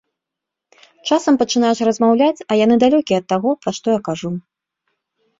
Часам пачынаеш размаўляць, а яны далёкія ад таго, пра што я кажу.